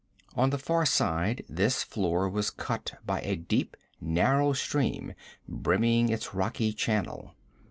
On the far side this floor was cut by a deep, narrow stream brimming its rocky channel.